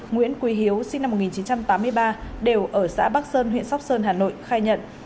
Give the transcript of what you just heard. nguyễn quý hiếu sinh năm một nghìn chín trăm tám mươi ba đều ở xã bắc sơn huyện sóc sơn hà nội khai nhận